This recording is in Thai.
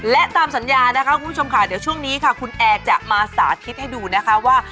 และตามสัญญานะคะคุณผู้ชมค่ะเดี๋ยวช่วงนี้ค่ะคุณแอร์จะมาสาธิตให้ดูนะคะว่า